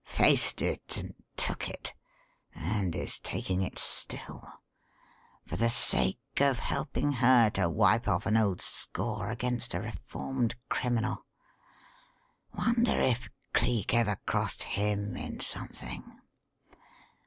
Faced it and took it; and is taking it still, for the sake of helping her to wipe off an old score against a reformed criminal. Wonder if Cleek ever crossed him in something?